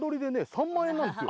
３万円なんですよ